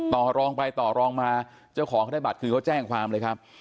ต่อรองไปต่อรองมาเจ้าของเขาได้บัตรคือเขาแจ้งความเลยครับ